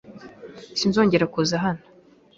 Sinzongera kuza hano.